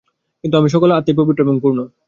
কিন্তু সকল আত্মাই পবিত্র এবং পূর্ণ।